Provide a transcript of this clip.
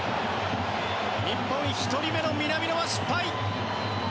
日本、１人目の南野は失敗。